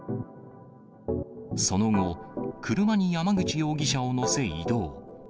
その後、車に山口容疑者を乗せ移動。